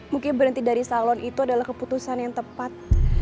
mungkin berhenti dari salon itu adalah keputusan yang tepat